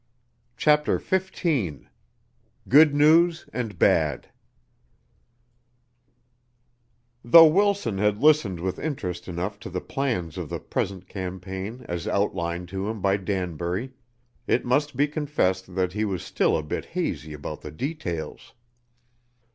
CHAPTER XV Good News and Bad Though Wilson had listened with interest enough to the plans of the present campaign as outlined to him by Danbury, it must be confessed that he was still a bit hazy about the details.